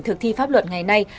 thực thi pháp luật ngày nay